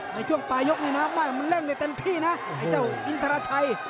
ในช่วงปลายกรุ่นนี้นะครับมันเร่งในเต็มที่นะไอ้เจ้าอินทราชัย